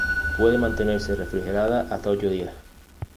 Puede mantenerse refrigerada hasta ocho días.